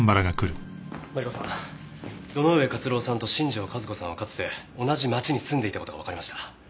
マリコさん堂上克郎さんと新庄和子さんはかつて同じ町に住んでいた事がわかりました。